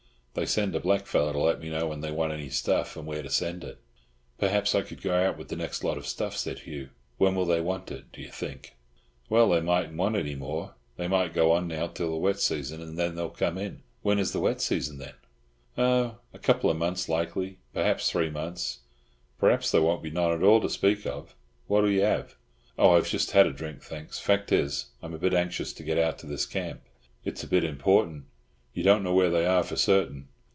They send a blackfellow to let me know when they want any stuff, and where to send it." "Perhaps I could go out with the next lot of stuff," said Hugh. "When will they want it, do you think?" "Well, they mightn't want any more. They might go on now till the wet season, and then they'll come in." "When is the wet season, then?" "Oh, a couple of months, likely. Perhaps three months. Perhaps there won't be none at all to speak of. What'll you have?" "Oh, I have just had a drink, thanks. Fact is, I'm a bit anxious to get out to this camp. It's a bit important. You don't know where they are for certain?"